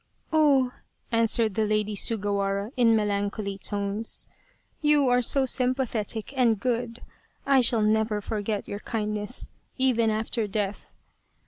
" Oh !" answered the Lady Sugawara in melancholy tones, " you are so sympathetic and good, I shall never forget your kindness, even after death.